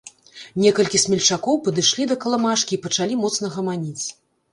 Некалькі смельчакоў падышлі да каламажкі і пачалі моцна гаманіць.